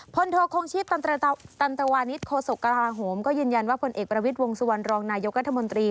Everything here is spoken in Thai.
โทคงชีพตันตวานิสโคศกกระทาโหมก็ยืนยันว่าพลเอกประวิทย์วงสุวรรณรองนายกรัฐมนตรี